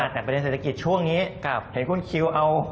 แต่ประเด็นเศรษฐกิจช่วงนี้เห็นคุณคิวเอา